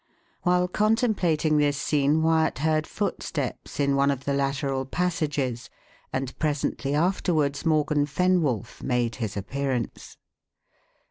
While contemplating this scene Wyat heard footsteps in one of the lateral passages, and presently afterwards Morgan Fenwolf made his appearance.